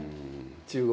中国。